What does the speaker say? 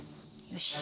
よし。